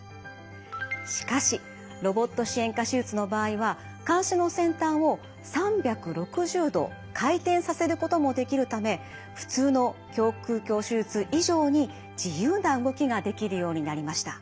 しかしロボット支援下手術の場合は鉗子の先端を３６０度回転させることもできるため普通の胸腔鏡手術以上に自由な動きができるようになりました。